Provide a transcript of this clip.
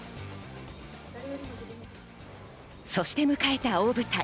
そして迎えた大舞台。